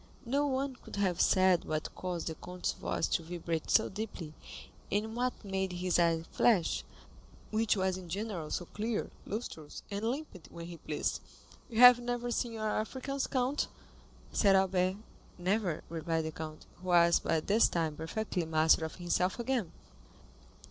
No one could have said what caused the count's voice to vibrate so deeply, and what made his eye flash, which was in general so clear, lustrous, and limpid when he pleased. "You have never seen our Africans, count?" said Albert. "Never," replied the count, who was by this time perfectly master of himself again.